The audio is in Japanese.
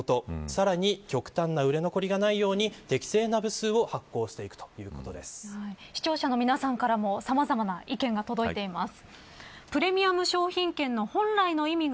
さらに極端な売れ残りがないように適正な部数を視聴者の皆さんからもさまざまな意見が届いています。